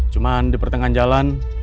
cuma di pertengahan jalan